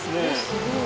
すごい。